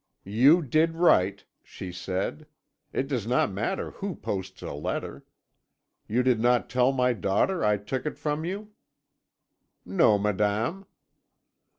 "'You did right,' she said. 'It does not matter who posts a letter. You did not tell my daughter I took it from you?' "'No, madame.'